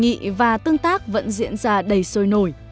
nhưng hội nghị và tương tác vẫn diễn ra đầy sôi nổi